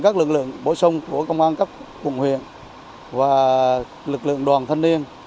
các lực lượng bổ sung của công an các quận huyện và lực lượng đoàn thanh niên